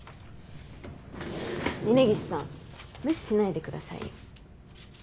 峰岸さん無視しないでくださいよ。